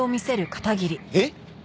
えっ？